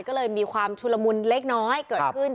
ก็เลยมีความชุลมุนเล็กน้อยเกิดขึ้น